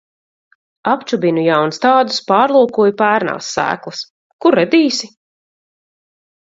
Apčubinu jaunstādus, pārlūkoju pērnās sēklas. Kur redīsi?